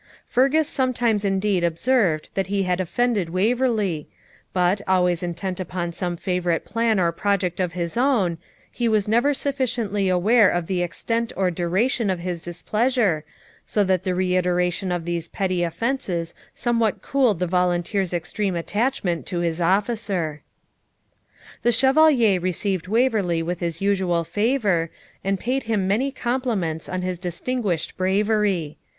Fergus sometimes indeed observed that he had offended Waverley, but, always intent upon some favourite plan or project of his own, he was never sufficiently aware of the extent or duration of his displeasure, so that the reiteration of these petty offences somewhat cooled the volunteer's extreme attachment to his officer. The Chevalier received Waverley with his usual favour, and paid him many compliments on his distinguished bravery.